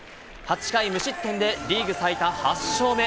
８回無失点で、リーグ最多８勝目。